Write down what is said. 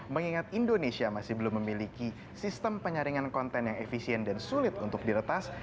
mengingat indonesia masih belum memiliki sistem penyaringan konten yang efisien dan sulit untuk diretas